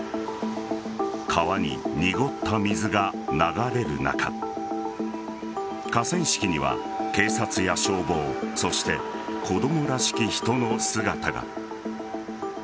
川に濁った水が流れる中河川敷には警察や消防そして、子供らしき人の姿が。